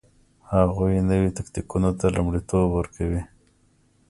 هغوی نویو تکتیکونو ته لومړیتوب ورکوي